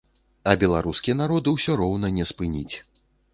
А беларускі народ усё роўна не спыніць.